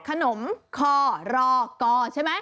ขนมคอรอกอใช่ไหม